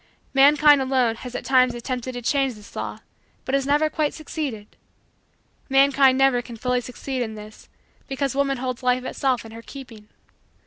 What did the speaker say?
Mankind, alone, has at times attempted to change this law but has never quite succeeded. Mankind never can fully succeed in this because woman holds life itself in her keeping.